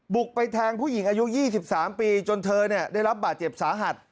ไปแทงผู้หญิงอายุ๒๓ปีจนเธอได้รับบาดเจ็บสาหัส